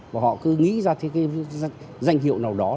và họ cứ nghĩ ra danh hiệu nào đó